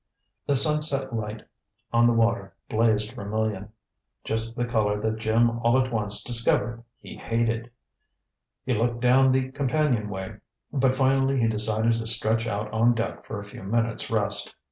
The sunset light on the water blazed vermilion just the color that Jim all at once discovered he hated. He looked down the companionway, but finally he decided to stretch out on deck for a few minutes' rest.